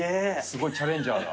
すごいチャレンジャーだ。